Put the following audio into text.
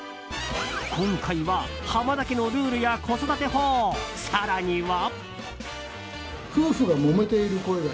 今回は浜田家のルールや子育て法更には。